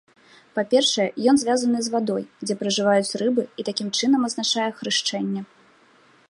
Па першае, ён звязаны з вадой, дзе пражываюць рыбы, і такім чынам азначае хрышчэнне.